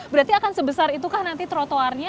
berarti akan sebesar itu kan nanti trotoarnya